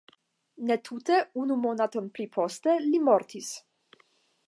Ne tute unu monaton pli poste li mortis.